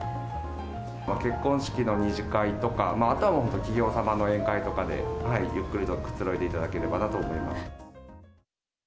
結婚式の二次会とか、あとは本当に企業様の宴会とかで、ゆっくりとくつろいでいただければなと思います。